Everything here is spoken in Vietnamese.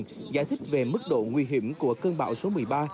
giải thích về mức độ nguy hiểm của cơn bão số một mươi ba